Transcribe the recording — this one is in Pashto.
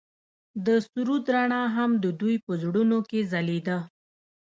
د سرود رڼا هم د دوی په زړونو کې ځلېده.